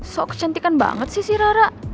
so kecantikan banget sih si ra ra